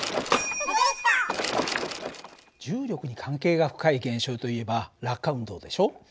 重力に関係が深い現象といえば落下運動でしょ。